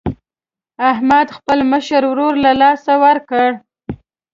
احمد خپل مشر ورور له لاسه ورکړ.